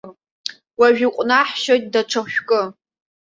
Уажә иҟәнаҳшьоит даҽа шәкы.